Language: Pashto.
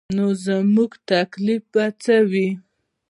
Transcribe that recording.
نو زموږ تکلیف به څه وي.